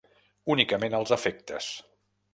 Únicament als efectes.